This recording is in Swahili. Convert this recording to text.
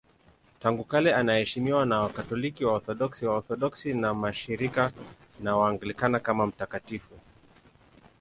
Tangu kale anaheshimiwa na Wakatoliki, Waorthodoksi, Waorthodoksi wa Mashariki na Waanglikana kama mtakatifu.